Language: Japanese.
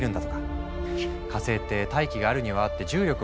火星って大気があるにはあって重力もある。